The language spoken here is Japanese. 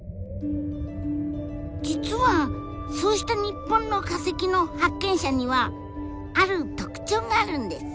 実はそうした日本の化石の発見者にはある特徴があるんです。